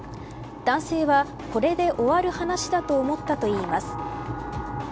男性はこれで終わる話だと思ったといいます。